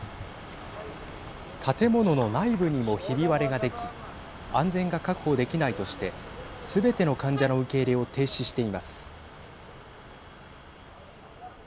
建物の内部にもひび割れができ安全が確保できないとしてすべての患者の受け入れを停止しています。